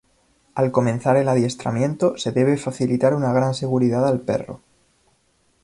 Al comenzar el adiestramiento, se debe facilitar una gran seguridad al perro.